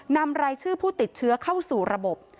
นำรายชื่อผู้ติดเชื้อเข้าสู่ระบบ